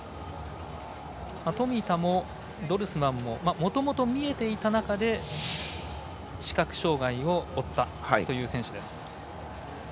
富田もドルスマンももともと見えていた中で視覚障がいを負ったという選手。